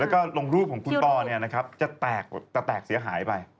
แล้วก็ลงรูปของคุณเปาเนี่ยนะครับจะแตกเสียหายไป